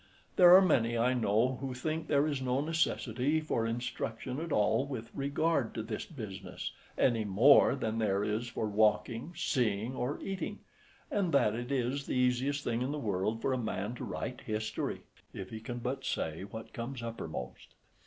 There are many, I know, who think there is no necessity for instruction at all with regard to this business, any more than there is for walking, seeing, or eating, and that it is the easiest thing in the world for a man to write history if he can but say what comes uppermost.